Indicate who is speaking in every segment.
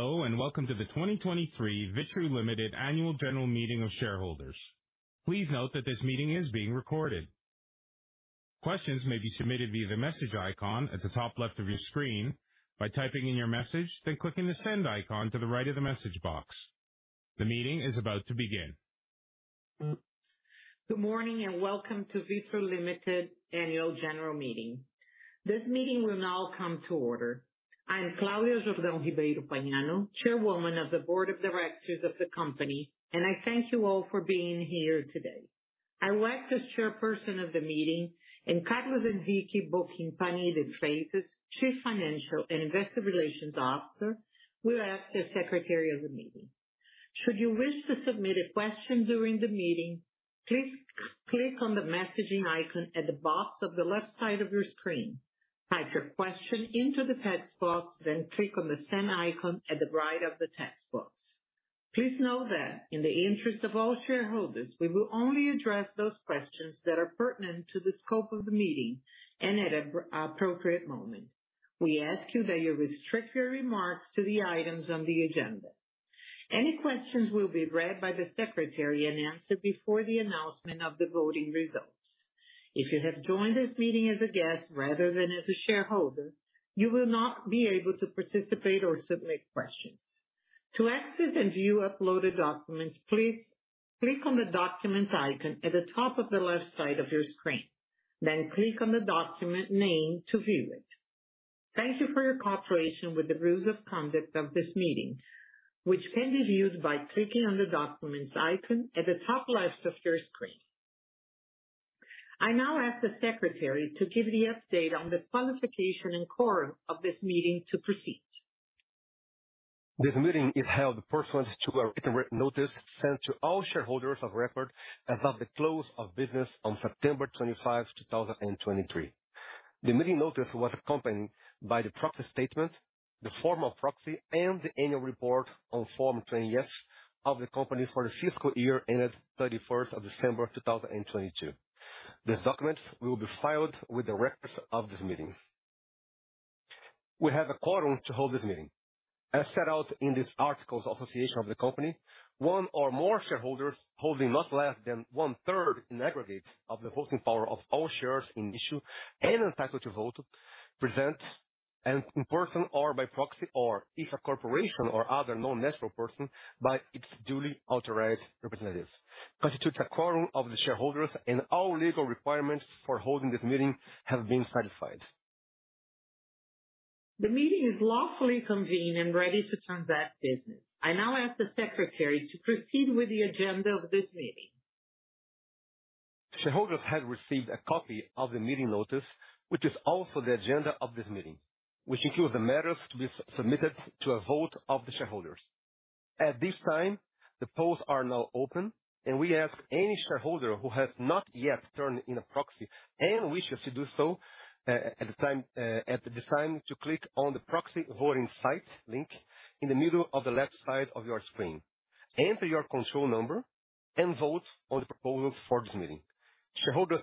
Speaker 1: Hello, and welcome to the 2023 Vitru Limited Annual General Meeting of Shareholders. Please note that this meeting is being recorded. Questions may be submitted via the message icon at the top left of your screen by typing in your message, then clicking the send icon to the right of the message box. The meeting is about to begin.
Speaker 2: Good morning, and welcome to Vitru Limited Annual General Meeting. This meeting will now come to order. I am Claudia Jordão Ribeiro Pagnano, Chairwoman of the Board of Directors of the company, and I thank you all for being here today. I'll act as Chairperson of the meeting, and Carlos Henrique Boquimpani de Freitas, Chief Financial and Investor Relations Officer, will act as Secretary of the meeting. Should you wish to submit a question during the meeting, please click on the messaging icon at the bottom of the left side of your screen. Type your question into the text box, then click on the send icon at the right of the text box. Please know that in the interest of all shareholders, we will only address those questions that are pertinent to the scope of the meeting and at an appropriate moment. We ask you that you restrict your remarks to the items on the agenda. Any questions will be read by the secretary and answered before the announcement of the voting results. If you have joined this meeting as a guest rather than as a shareholder, you will not be able to participate or submit questions. To access and view uploaded documents, please click on the documents icon at the top of the left side of your screen, then click on the document name to view it. Thank you for your cooperation with the rules of conduct of this meeting, which can be viewed by clicking on the documents icon at the top left of your screen. I now ask the secretary to give the update on the qualification and quorum of this meeting to proceed.
Speaker 3: This meeting is held pursuant to a written re-notice sent to all shareholders of record as of the close of business on September 25, 2023. The meeting notice was accompanied by the proxy statement, the form of proxy, and the annual report on Form 20-F of the company for the fiscal year ended December 2022. These documents will be filed with the records of these meetings. We have a quorum to hold this meeting. As set out in the Articles of Association of the company, one or more shareholders holding not less than one-third in aggregate of the voting power of all shares in issue and entitled to vote, present, and in person or by proxy, or if a corporation or other non-natural person, by its duly authorized representatives, constitutes a quorum of the shareholders, and all legal requirements for holding this meeting have been satisfied.
Speaker 2: The meeting is lawfully convened and ready to transact business. I now ask the secretary to proceed with the agenda of this meeting.
Speaker 3: Shareholders have received a copy of the meeting notice, which is also the agenda of this meeting, which includes the matters to be submitted to a vote of the shareholders. At this time, the polls are now open, and we ask any shareholder who has not yet turned in a proxy and wishes to do so at this time to click on the proxy voting site link in the middle of the left side of your screen. Enter your control number and vote on the proposals for this meeting. Shareholders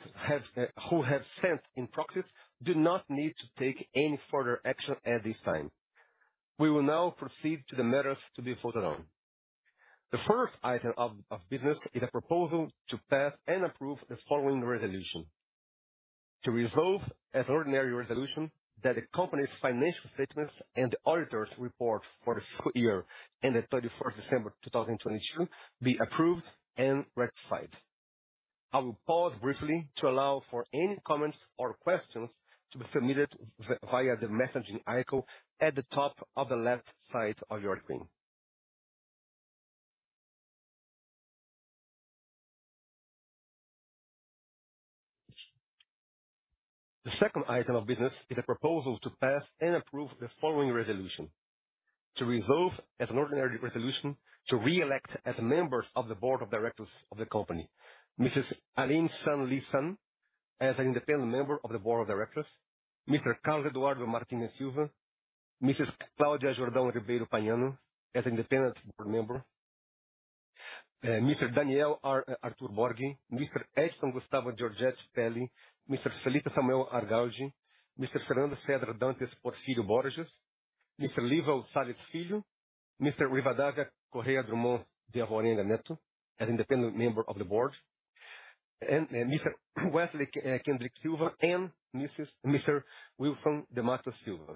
Speaker 3: who have sent in proxies do not need to take any further action at this time. We will now proceed to the matters to be voted on. The first item of business is a proposal to pass and approve the following resolution: To resolve as ordinary resolution that the company's financial statements and auditor's report for the fiscal year ended 31 December 2022, be approved and ratified. I will pause briefly to allow for any comments or questions to be submitted via the messaging icon at the top of the left side of your screen. The second item of business is a proposal to pass and approve the following resolution: To resolve as an ordinary resolution to re-elect as members of the board of directors of the company, Mrs. Aline Leite San Lee Sun, as an independent member of the board of directors, Mr. Carlos Eduardo Martins Silva, Mrs. Claudia Jordão Ribeiro Pagnano, as independent board member, Mr. Daniel Arthur Borghi, Mr. Edson Gustavo Georgette Peli, Mr. Felipe Samuel Argalji, Mr.Fernando Cezar Dantas Porfírio Borges, Mr. Lywal Salles Filho, Mr.Rivadávia Corrêa Drummond de Alvarenga Neto, as independent member of the board, and Mr. Weslley Kendrick Silva and Mr. Wilson de Matos Silva.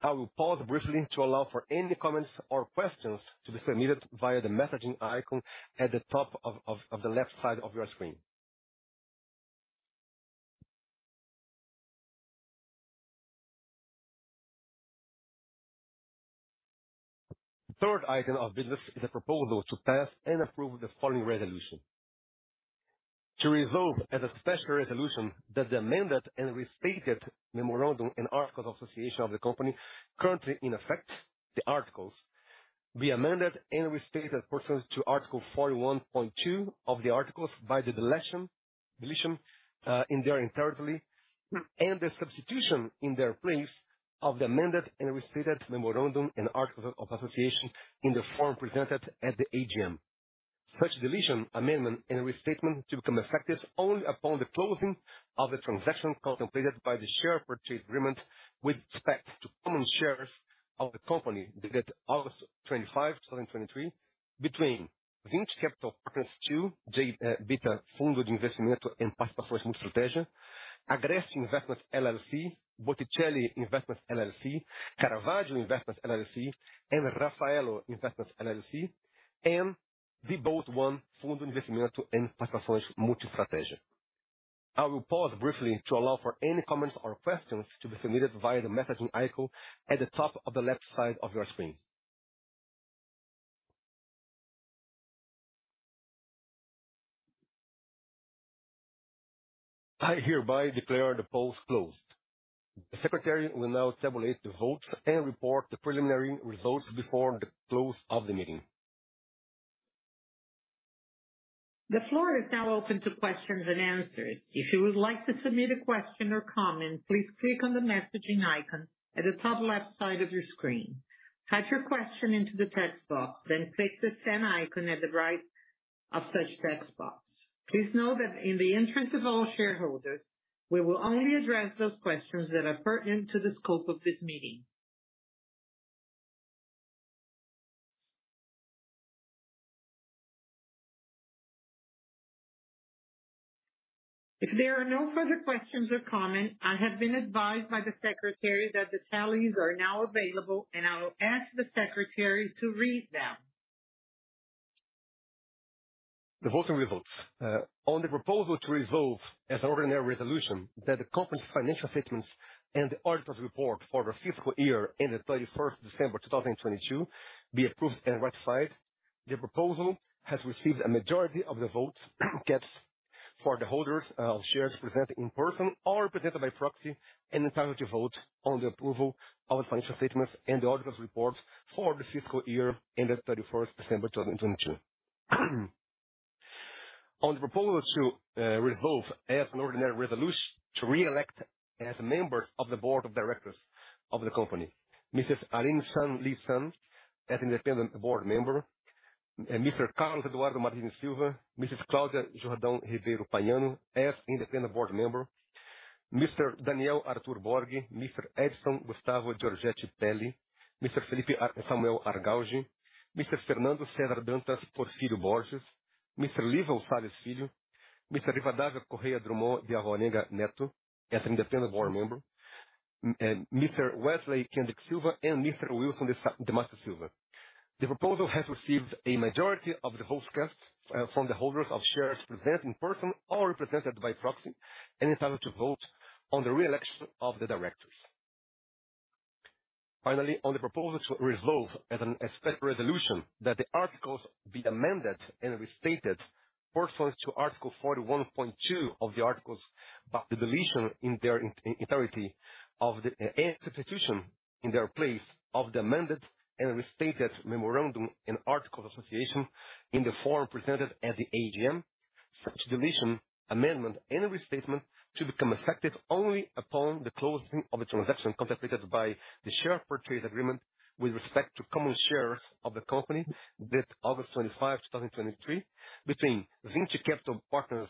Speaker 3: I will pause briefly to allow for any comments or questions to be submitted via the messaging icon at the top of the left side of your screen. The third item of business is a proposal to pass and approve the following resolution: To resolve as a special resolution that the amended and restated memorandum and articles of association of the company currently in effect, the articles, be amended and restated pursuant to Article 41.2 of the articles by the deletion in their entirety, and the substitution in their place of the amended and restated memorandum and article of association in the form presented at the AGM. Such deletion, amendment, and restatement to become effective only upon the closing of the transaction contemplated by the share purchase agreement with respect to common shares of the company, dated August 25, 2023, between Vinci Capital Partners II, Jabotá Fundo de Investimento em Participações Multiestratégia, Agreste Investments LLC, Botticelli Investments LLC, Caravaggio Investments LLC, and Raffaello Investments LLC, and the Bote 1 Fundo de Investimento em Participações Multiestratégia. I will pause briefly to allow for any comments or questions to be submitted via the messaging icon at the top of the left side of your screen. I hereby declare the polls closed. The secretary will now tabulate the votes and report the preliminary results before the close of the meeting.
Speaker 2: The floor is now open to questions and answers. If you would like to submit a question or comment, please click on the messaging icon at the top left side of your screen. Type your question into the text box, then click the send icon at the right of such text box. Please note that in the interest of all shareholders, we will only address those questions that are pertinent to the scope of this meeting. If there are no further questions or comments, I have been advised by the secretary that the tallies are now available, and I will ask the secretary to read them.
Speaker 3: The voting results. On the proposal to resolve as an ordinary resolution that the company's financial statements and the auditor's report for the fiscal year ended December 2022, be approved and ratified. The proposal has received a majority of the votes cast for the holders of shares present in person or represented by proxy, and entitled to vote on the approval of financial statements and the auditor's report for the fiscal year ended December 2022. On the proposal to resolve as an ordinary resolution to re-elect as members of the board of directors of the company: Mrs. Aline Leite San Lee Sun, as independent board member, and Mr. Carlos Eduardo Martins Silva, Mrs. Claudia Jordão Ribeiro Pagnano, as independent board member, Mr. Daniel Arthur Borghi, Mr. Edson Gustavo Georgette Peli, Mr. Felipe Samuel Argalji, Mr. Fernando Cezar Dantas Porfírio Borges, Mr. Lywal Salles Filho, Mr. Rivadávia Correa Drummond de Alvarenga Neto, as independent board member, Mr. Weslley Kendrick Silva, and Mr. Wilson de Matos Silva. The proposal has received a majority of the votes cast from the holders of shares present in person or represented by proxy, and entitled to vote on the re-election of the directors. Finally, on the proposal to resolve as a special resolution that the articles be amended and restated pursuant to Article 41.2 of the articles, with the deletion in their entirety of the... and substitution in their place of the amended and restated memorandum and articles of association in the form presented at the AGM. Such deletion, amendment, and restatement to become effective only upon the closing of the transaction contemplated by the share purchase agreement with respect to common shares of the company, dated August 25, 2023, between Vinci Capital Partners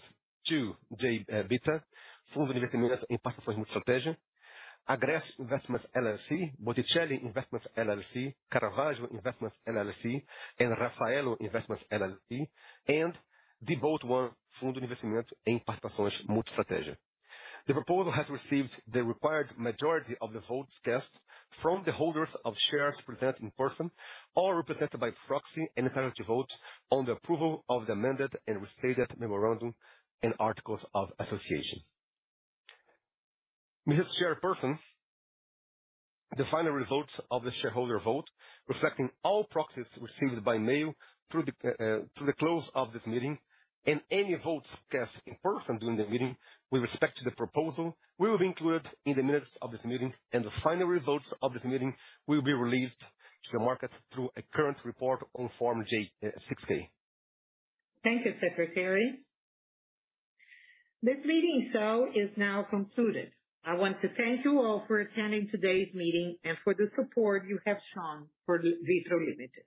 Speaker 3: II, Jabota Fundo de Investimento em Participações Multiestratégia, Agreste Investments LLC, Botticelli Investments LLC, Caravaggio Investments LLC, and Raffaello Investments LLC, and the Bote 1 Fundo de Investimento em Participações Multiestratégia. The proposal has received the required majority of the votes cast from the holders of shares present in person or represented by proxy, and entitled to vote on the approval of the amended and restated memorandum and articles of association. Mr. Chairperson, the final results of the shareholder vote, reflecting all proxies received by mail through the close of this meeting, and any votes cast in person during the meeting with respect to the proposal, will be included in the minutes of this meeting, and the final results of this meeting will be released to the market through a current report on Form 6-K.
Speaker 2: Thank you, Secretary. This meeting show is now concluded. I want to thank you all for attending today's meeting and for the support you have shown for Vitru Limited.